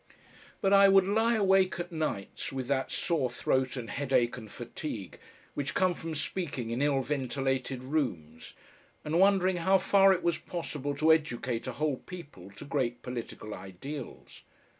But I would lie awake at nights with that sore throat and headache and fatigue which come from speaking in ill ventilated rooms, and wondering how far it was possible to educate a whole people to great political ideals.